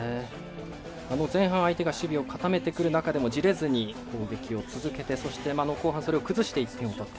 前半、相手が守備を固めてくる中でもじれずに続けて後半、崩して１点を取って。